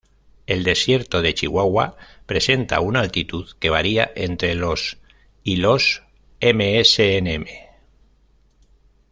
El desierto de Chihuahua presenta una altitud que varía entre los y los msnm.